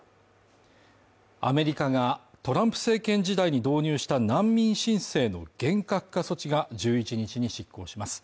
アメリカがトランプ政権時代に導入した難民申請の厳格化措置が１１日に失効します。